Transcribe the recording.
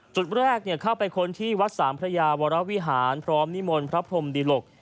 จุดแรกเข้าไปค้นที่วัดสามพระยาวรวิหารพร้อมนิมนต์พระพรมดิหลก